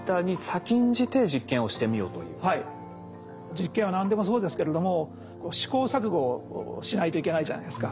実験は何でもそうですけれども試行錯誤をしないといけないじゃないですか。